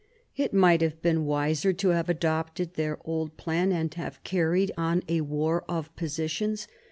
It might have been wiser to have adopted their old plan, and to have carried on a war of positions.